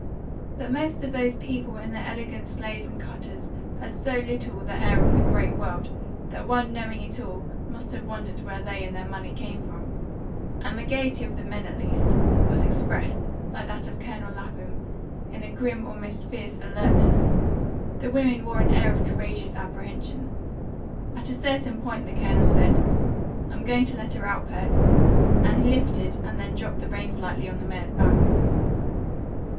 But most of the people in those elegant sleighs and cutters had so little the air of the great world that one knowing it at all must have wondered where they and their money came from; and the gaiety of the men, at least, was expressed, like that of Colonel Lapham, in a grim almost fierce, alertness; the women wore an air of courageous apprehension. At a certain point the Colonel said, "I'm going to let her out, Pert," and he lifted and then dropped the reins lightly on the mare's back.